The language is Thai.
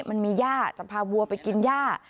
มันมีย่าจะพาวัวไปกินย่า